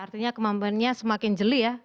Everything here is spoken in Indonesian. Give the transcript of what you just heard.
artinya kemampuannya semakin jeli ya